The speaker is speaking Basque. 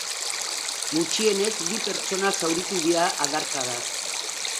Gutxienez bi pertsona zauritu dira adarkadaz.